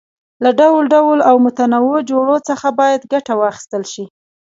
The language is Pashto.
له ډول ډول او متنوعو خوړو څخه باید ګټه واخیستل شي.